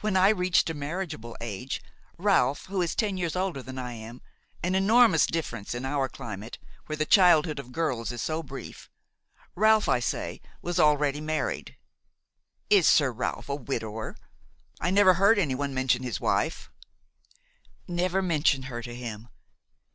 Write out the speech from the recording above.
"When I reached a marriageable age, Ralph, who was ten years older than I–an enormous difference in our climate, where the childhood of girls is so brief–Ralph, I say, was already married." "Is Sir Ralph a widower? I never heard anyone mention his wife." "Never mention her to him.